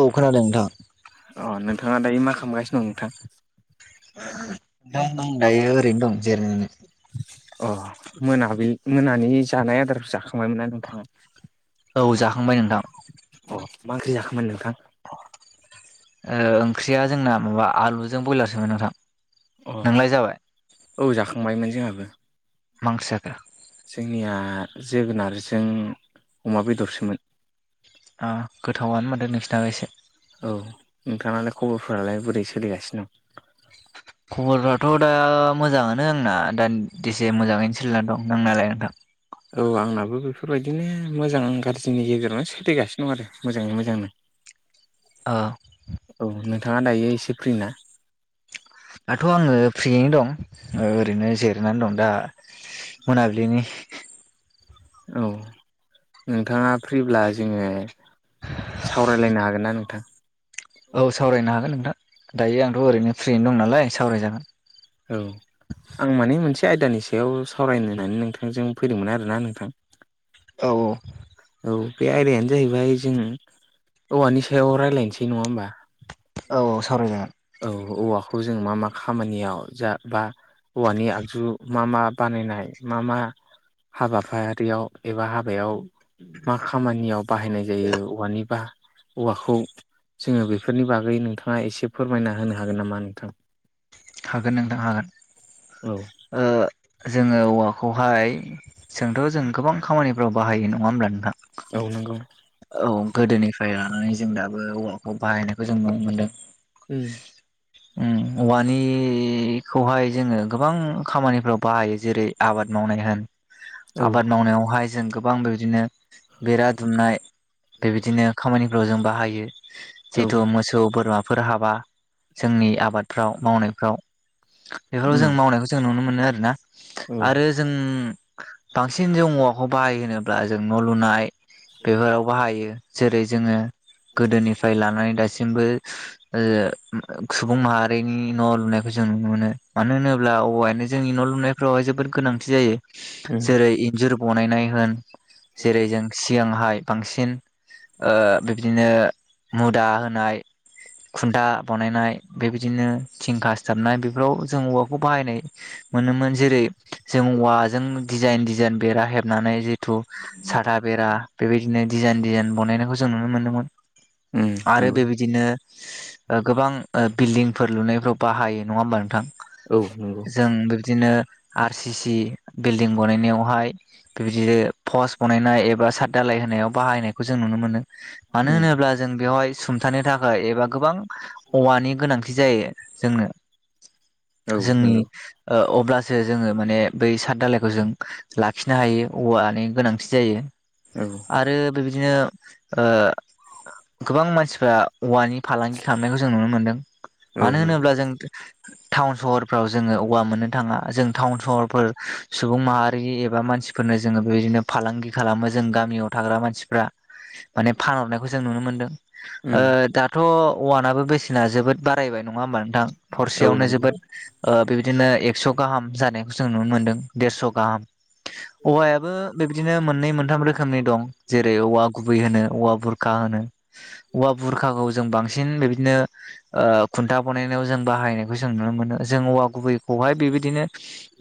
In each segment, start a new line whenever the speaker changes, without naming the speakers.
औ खोनादों
अ नोंथाङा दायो मा खालामगासिनो दं नोंथां?
दायो‌ ओरैनो दं जिरायनानै
अ मोनाबिलि मोनानि जानाय आदारफोर जाखो खांबायमोना नोंथाङा
औ जाखांबाय नोंथां
अ मा ओंख्रि जाखोमोन नोंथां?
ओंख्रिया जोंना माबा आलुजों ब्रयलारसोमोन नोंथां
अ
नोंलाय जाबाय
औ जाखांबायमोन जोंहाबो
मा ओंख्रि जाखो
जोंनिया जोगोनारजों अमा बेदरसोमोन
ओ गोथावनो माथो नोंसिनालाय एसे
औ नोंथाङालाय खबरफोरालाय बोरै सोलिगासिनो?
खबरफ्राथ' दा मोजाङानो आंना दा दसे मोजाङैनो सोलिनानै दं नोंथां नोंनालाय नोंथां?
औ आंनाबो बेफोरबायदिनो मोजां गाज्रिनि गेजेरावनो सोलिगासिनो दं आरो मोजाङै मोजांनो [inaudible]
ओ
औ नोंथाङा दायो एसे फ्रि ना?
दाथ' आङो फ्रियैनो दं ओ ओरैनो जिरनानै दं दा मोनाबलिनि
औ नोंथाङा फ्रिब्ला जोङो सावरायलायनो हागोन ना नोंथां?
औ सावरायनो हागोन नोंथां दायो आंथ' ओरैनो फ्रिनो दं नालाय सावरायजागोन
औ आं माने मोनसे आयदानि सायाव सावरायनो होननानै नोंथांजों फैदोंमोन आरोना नोंथां
औ औ
औ बे आयदायानो जाहैबाय जों औवानि सायाव रायज्लायनोसै नङा होमबा
औ औ सावरायजागोन
औ औवाखौ जों मा मा खामानियाव जा बा औवानि आगजु मा मा बानायनाय मा मा हाबाफारियाव एबा हाबायाव मा खामानियाव बाहायनाय जायो औवानि बा औवाखौ जोङो बेफोरनि बागै नोंथाङा एसे फोरमायना होनो हागोन नामा नोंथां?
हागोन नोंथां हागोन
औ
ओ जोंङो औवा खौहाय जोंथ' जों गोबां खामानिफ्राव बाहायो नङा होमब्ला नोंथां
औ नंगौ
औ गोदोनिफ्राय लानानै जों दाबो औवाखौ बाहायनायखौ जों नुनो मोनदों
उम
ओम औवानिखौहाय जोंङो गोबां खामानिफ्राव बाहायो जेरै आबाद मावनाय होन
औ
आबाद मावनायावहाय जों गोबां बेबदिनो बेरा दुमनाय बेबायदिनो खामानिफ्राव जों बाहायो
औ
जिहेथु मोसौ बोरमाफोर हाबा जोंनि आबादफ्राव मावनायफ्राव बेफोराव
उम
जों मावनायखौ जों नुनो मोनो आरोना
औ
आरो जों बांसिन जों औवाखौ बाहायो होनोब्ला जों न' लुनाय बेफोराव बाहायो जेरै जोंङो गोदोनिफ्राय लानानै दासिमबो ओ सुबुं माहारिनि न' लुनायखौ जों नुनो मोनो मानो होनोब्ला औबवायानो जोंनि न' लुनायखौ फोरावहाय जोबोद गोनांथि जायो
उम
जेरै इन्जुर बनायनाय होन जेरै जों सिगांहाय बांसिन बिबदिनो मुदा होनाय खुनथा बानायनाय बेबायदिनो थिं खासथाबनाय बेफोराव जों औवाखौ बाहायनाय मोनोमोन जेरै जों औवाजों डिजाइन डिजाइन बेरा हेबनानै जिथु साथा बेरा बेबायदि बिदिनो डिजाइन डिजाइन बनायनायखौ जों नुनो मोनदोंमोन
उम
आरो
नंगौ
बेबायदिनो ओ गोबां ओ बिल्डिंफोर लुनायफ्राव बाहायो नङा होमबा नोंथां?
औ नंगौ।
जों बिबदिनो आर सि सि बिल्डिं बनायनायावहाय बिबिदिनो फस्ट बनायनाय एबा साद दालाय हो नायाव बाहायनायखौ जों नुनो मोनो मानो
उम
होनोब्ला जों बेवहाय सुंथानो थाखाय एबा गोबां अवानि गोनांथि जायो जोंनो
औ
जोंनि
नंगौ
ओ अब्लासो जोंङो माने बै साद धालायखौ जों लाखिनो हायो औवानि गोनांथि जायो
औ
आरो बिबायदिनो ओ गोबां मानसिफ्रा औवानि फालांगि खालामनायखौ जों नुनो मोनदों
औ
मानो
नंगौ
होनोब्ला जों थाउन सहरफ्राव जोंङो औवा मोननो थाङा जों थाउन सहरफोर सुबुं माहारि एबा मानसि फोरनो जोंङो बेबायदिनो फालांगि खालामो जों गामियाव थाग्रा मानसिफ्रा माने फानहरनायखौ जों नुनो मोनदों ओ
उम
दाथ' अवानाबो बेसेना जोबोद बारायबाय नङा होमबा नोंथां
औ
थरसेयावनो
नंगौ
जोबोद ओ बेबायदिनो एक्स' गाहाम जानायखौ जों नुनो मोनदों देरस' गाहाम औवायाबो बेबायदिनो मोननै मोनथाम रोखोमनि दं जेरै औवा गुब गुबै होनो, औवा बुरखा होनो औवा बुरखाखौ जों बांसिन बिबायदिनो ओ खुन्था बनायनायाव जों बाहायनायखौ जों नुनो मोनो जों औवा गुबैखौहाय बेबायदिनो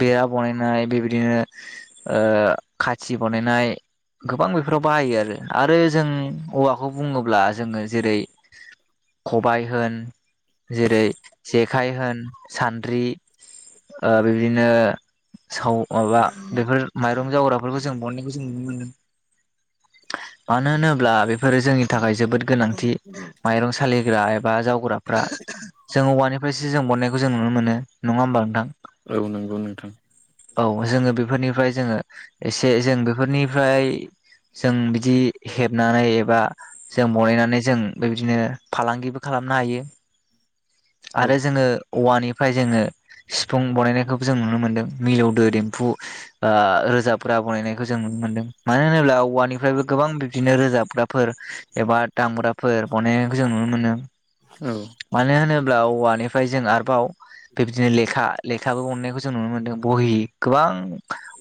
बेरा बनायनाय बेबायदिनो ओ खाथि बनायनाय गोबां बे फोराव बाहायो आरो, आरो जों औवाखौ बुंङोब्ला जोंङो जेरै ख'बाय होन जेरै जेखाइ होन सान्द्रि ओ बेबादिनो साव माबा बेफोर माइरं जावग्राफोरखो जों उवानिखौ जों नुनो मोनो मानो होनोब्ला बेफोरो जोंनि थाखाय जोबोद गोनांथि माइरं सालिग्रा एबा जाव ग्राफ्रा जों औवानिफायसो जों बनायनायखौ जों नुनो मोनो नङा होमबा नोंथां?
औ नोंगौ नोंथां
औ जोङो बेफोरनिफ्राय जोङो एसे जों बेफोरनिफ्राय जों बिदि हेबनानै एबा जों बनायनानै जों बेबायदिनो फालांगिबो खालामनो हायो
औ
आरो जोङो औवानिफ्राय जोङो सिफुं बनायनायखौबो जों नुनो मोनदों मिलौदो देमफु ओ रोजाबग्रा बनायनायखौ जों नुनो मोन्दों मानो होनोब्ला औवानि निफ्रायबो गोबां बिबदिनो रोजाबग्राफोर एबा दामग्राफोर बनायनायखौ जों नुनो मोनो
औ
मानो होनोब्ला औवानिफ्राय जों आरोबाव बिबदिनो लेखा लेखाबो बनायनायखौ जों नुनो मोनदों बहि गोबां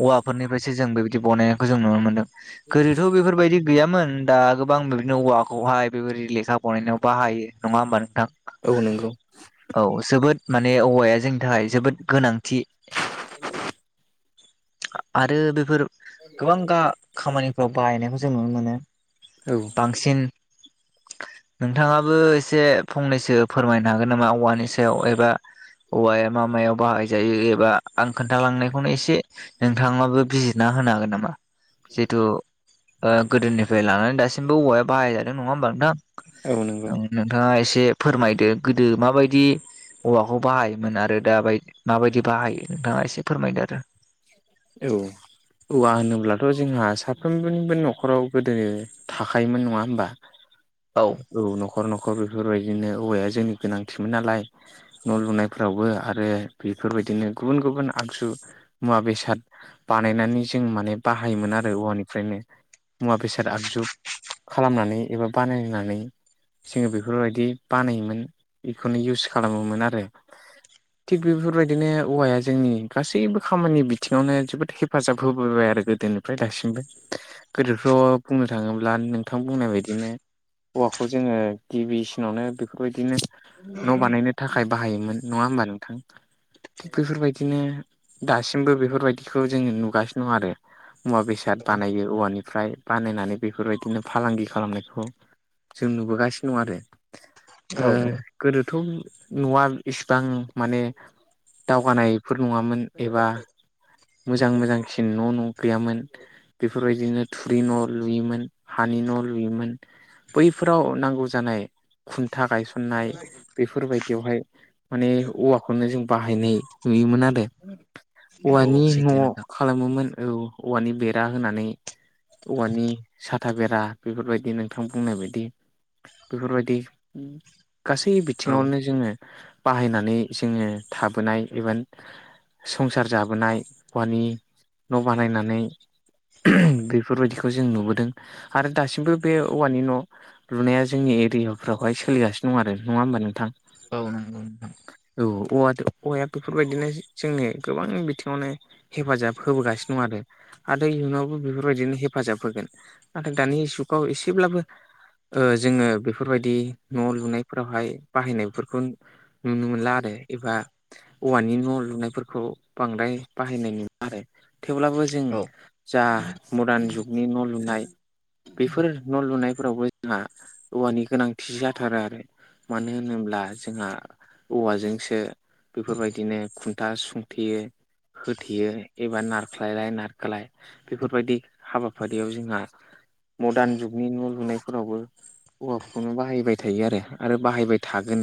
औवाफोरनिफ्रायसो जों बेबायदि बनायखौ जों नुनो मोनदों गोदोथ' बेफोर बायदि गैयामोन दा गोबां बेबादिनो औवाखौहाय बेबायदि लेखा बनायनायाव बाहायो नङा होमबा नोंथां?
औ नोंगौ
औ जोबोद माने औवाया जोंनि थाखाय जोबोद गोनांथि आरो बेफोर गोबां गा खामानिफ्राव बाहायनायखौ जों नुनो मोनो
औ
बांसिन नोंथाङाबो एसे फंनैसो फोरमायनो हागोन नामा औवानि सायाव एबा औवाया मा मायाव बाहायजायो एबा आं खोन्थालांनायखौनो एसे नोंथाङाबो बिजिरना होनो हागोन नामा? जिहेथु ओ गोदोनिफ्राय लानानै दासिमबो औवाया बाहायजादों नङा होमबा नोंथां?
औ नोंगौ
नोंथाङा एसे फोरमायदो गोदो माबायदि औवाखौ बाहायोमोन आरो दा बाय माबायदि बाहायो नोंथाङा एसे फोरमायदो आरो
औ। औवा होनोब्लाथ' जोंहा साफ्रोमबोनिबो न'खराव गोदो थाखायोमोन नङा होमबा। [inaudible]
औ।
औ न'खर न'खर बेफोरबायदिनो औवाया जोंनि गोनांथिमोन नालाय न' लुनायफोरावबो आरो बेफोरबादिनो गुबुन गुबुन आगजु मुवा बेसाद बानायनानै जों माने बाहायोमोन आरो औवानिफ्रायनो मुवा बेसाद आगजु खालामनानै एबा बानायनानै जोङो बेफोरबादि बानायोमोन बेखौनो इउस खालामोमोन आरो। थिग बेफोरबादिनो औवाया जोंनि गासैबो खामानि बिथिं यावनो जोबोद हेफाजाब होबोबाय आरो गोदोनिफ्राय दासिमबो। गोदोथ' बुंनो थाङोब्ला नोंथां बुंनाय बादिनो हौवाखौ जोङो गिबिसिनावनो बेफोरबादिनो न' बानायनो थाखाय बाहायोमोन नङा होनबा नोंथां थिग बेफोरबादिनो दासिमबो बेफोर बेफोरबायदिखौ जोङो नुगासिनो दं आरो मुवा बेसाद बानायो। औवानिफ्राय बानायनानै बेफोरबादिनो फालांगि खालामनायखौ जों नुबोगासिनो दं आरो।
औ
ओ गोदोथ' न'आ इसिबां माने दावगानायफोर नङामोन। एबा मोजां मोजांसिन न' न' गैयामोन। बेफोरबादिनो थुरि न' लुयोमोन हानि न' लुयोमोन बैफोराव नांगौ जानाय खुन्था गायसननाय बेफोरबादि बेवहाय माने औवाखौनो जों बाहायनाय नुयोमोन आरो
औ
औवानि
सैथो
न'आव
नोंथां
खालामोमोन औ औवानि बेरा होनानै। औवानि साथा बेरा बेफोरबायदि नोंथां बुंनाय बादि बेफोरबादि गासै
औ
बिथिङावनो जोङो बाहायनानै जोङो थाबोनाय एबा संसार जाबोनाय औवानि न' बानायनानै बेफोरबादिखौ बिखौ जों नुबोदों आरो दासिमबो बे औवानि न' लुनाया जोंनि एरियाफ्रावहाय सोलिगासिनो दं आरो नङा होमबा नोंथां।
औ नंगौ नोंथां।
औ औवा औवाया बेफोरबादिनो जोंनि गोबां बिथिङावनो हेफाजाब होबोगासिनो दं आरो। आरो इयुनावबो बेफोरबायदिनो हेफाजाब होगोन नाथाय दानि जुगाव एसेब्लाबो। जोङो बेफोरबादि न' लुनायफोरावहाय बाहायनायफोरखौ। नुनो मोनला आरो एबा औवानि न' लुनायफोरखौ बांद्राय बाहायनाय नु आरो थेवब्लाबो जों
औ
जा मडार्न जुगनि न' लुनाय बेफोर न' लुनाय सुनायफोरावबो जोंहा औवानि गोनांथि जाथारो आरो मानो होनोब्ला जोंहा। औवाजोंसो बेफोरबायदिनो खुन्था सुंथेयो। होथेयो एबा नारख्लायलाय नारखोलाय बेफोरबादि हाबाफारियाव जोंहा मडार्न जुगनि न' लुनायफोरावबो औवाखौनो बाहायबाय थायो आरो आरो बाहायबाय थागोन।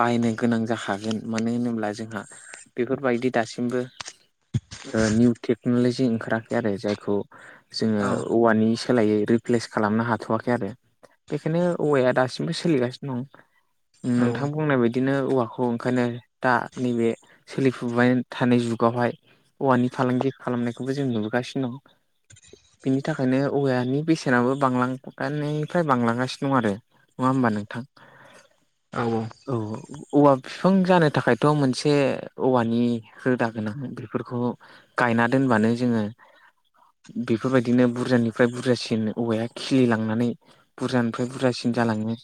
बाहायनो गोनां जाखागोन मानो होनोब्ला जोंहा बेफोरबायदि दासिमबो। ओ निउ टेक्नलजि ओंखाराखै आरो जायखौ जोङो
औ
औवानि सोलायै रिप्लेस खालामनो हाथवाखै आरो। बेखायनो औवाया दासिमबो सोलिगासिनो दं।
औ
नोंथां बुंनाय बायदिनो औवाखौ ओंखायनो दा नैबे सोलिफुबाय। थानाय जुगावहाय औवानि फालांगि खालामनायखौबो जों नुबोगासिनो दं। बिनि थाखायनो औवानि बेसेनाबो बांलांनायनिफ्राय बांलांगासिनो दं आरो। नङा होमबा नोंथां।
औ औ
औ औवा बिफां जानो थाखायथ मोनसे औवानि रोदा गोनां बेफोरखौ गायना दोनबानो जोङो बेफोरबायदिनो बुरजानिफ्राय बुरजासिन औवाया खिलिलांनानै बुरजानिफ्राय बुरजासिन जालाङो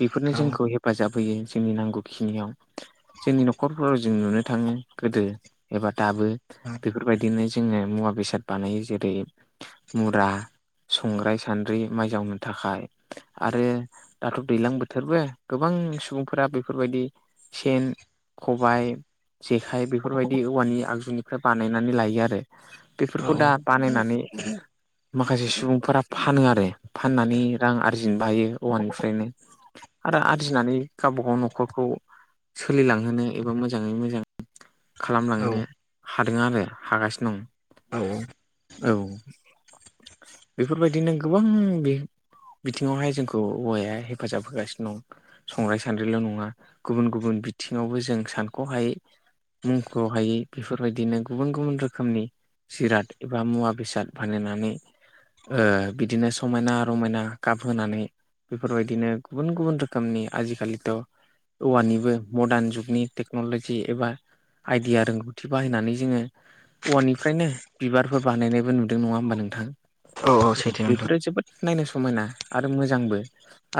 बेफोरनो
औ
जोंखौ हेफाजाब होयो जोंनि नांगौखिनियाव जोंनि न'खरफोराव जों नुनो थाङो गोदो एबा दाबो बेफोरबायदिनो जोङो मुवा बेसाद बानायो जेरै मुरा संग्राय सान्द्रि माइ जावनो थाखाय आरो दाथ दैज्लां बोथोरबो गोबां सुबुंफोरा बेफोरबायदि सेन खबाइ जेखाइ बेफोरबायदि औवानि आगजुनिफ्राय बानायनानै लायो आरो बेफोरखौ दा बानायनानै माखासे सुबुंफोरा फानो आरो फाननानै रां आरजिनोबो हायो औवानिफ्रायनो आरो आरजिनानै गावबा गाव न'खरखौ सोलिलांहोनो एबा मोजाङै मोजां
औ
खालामलांनो हादों आरो हागासिनो दं औ बेफोरबायदिनो गोबां बे बिथिङावहाय जोंखौ औवाया हेफाजाब होगासिनो दं संग्राय सान्द्रिल नङा गुबुन गुबुन बिथिङावबो जों सानखहायै मुंखौ हायै बेफोरबायदिनो गुबुन गुबुन रोखोमनि जिराद एबा मुवा बेसाद बानायनानै ओ बिदिनो समायना रमायना गाब होनानै बेफोरबायदिनो गुबुन गुबुन रोखोमनि आजिखालिथ औवानिबो मर्डार्न जुगनि टेक्नलजि जि एबा आइदिया रोंगौथि बाहायनानै जोङो औवानिफ्रायनो बिबारफोर बानायनायबो नुदों नङा होमबा नोंथां औ बेफोरो जोबोद नायनो समायना आरो मोजांबो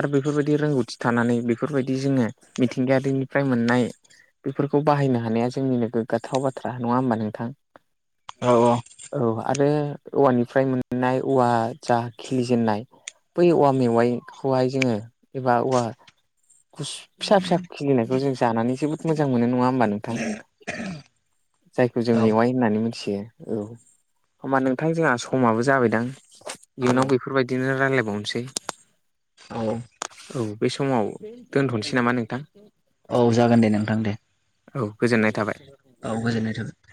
आरो बेफोरबायदि रोंगौथि थानानै बेफोरबायदि जोंङो मिथिंगायारिनिफ्राय मोननाय बेफोरखौ बाहायनो हानाया जोंनिनो ग्गोगाथाव बाथ्रा नंङा होमबा नोंथां
औ
औ आरो औवानिफ्राय मोननाय औवा जा खिलिजेनन्नाय बै औवा मेवाइखौहाय जोङो एबा औवा फिसा फिसा खिलिनायखौ जों जानानै जोबोद मोजां मोनो नङा होमबा नोंथां जायखौ जों
औ
मेवाइ होननानै मिथियो औ होमबा नोंथां जोंहा समाबो जाबायदां
औ
इयुनाव बेफोरबायदिनो रायलायबावनोसै
औ
औ बे समाव दोनथ'नोसै नामा नोंथां?
औ जागोन दे नोंथां दे
औ गोजोननाय थाबाय
औ गोजोननाय थाबाय